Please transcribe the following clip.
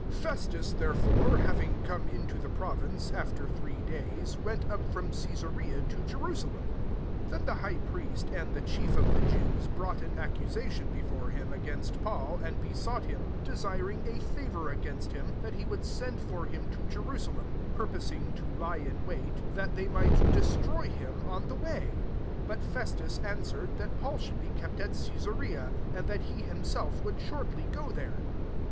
1 Festus, there fore, having come into the pro vince, after three days, went up from Caesarea to Jerusalem. 2 Then the high priest, and the chief of the Jews, brought an accusation before him against Paul, and besought him, 3 de siring a favour against him, that he would send for him to Jeru salem ; purposing to lie in wait, f44 ACTS XXV. that thejr might destroy Um on the way. 4 But Festas answer ; ed) that Paul sfiould he kept at C^esarea, and that he himself would shortly go there.